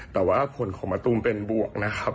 แต่ว่าผลของมะตูมเป็นบวกนะครับ